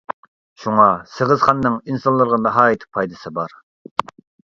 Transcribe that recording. شۇڭا، سېغىزخاننىڭ ئىنسانلارغا ناھايىتى پايدىسى بار.